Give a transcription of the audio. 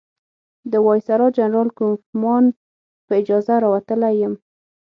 د وایسرا جنرال کوفمان په اجازه راوتلی یم.